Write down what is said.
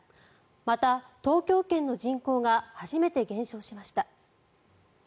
また、東京圏の人口が初めて減少しました。